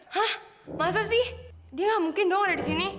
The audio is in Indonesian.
hah masa sih dia gak mungkin dong ada di sini